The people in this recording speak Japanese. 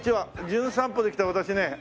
『じゅん散歩』で来た私ね